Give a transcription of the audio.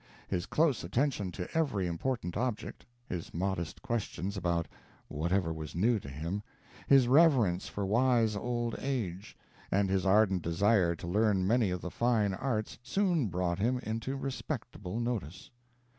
His close attention to every important object his modest questions about whatever was new to him his reverence for wise old age, and his ardent desire to learn many of the fine arts, soon brought him into respectable notice.